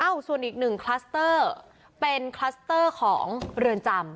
ส่วนอีกหนึ่งคลัสเตอร์เป็นคลัสเตอร์ของเรือนจำ